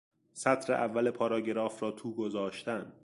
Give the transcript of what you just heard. سطر اول پاراگراف را تو گذاشتن